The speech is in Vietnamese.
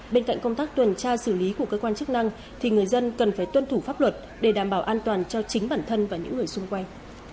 bên cạnh công tác tuần tra xử lý của cơ quan chức năng thì người dân cần phải tuân thủ pháp luật để đảm bảo an toàn cho chính bản thân và những người xung quanh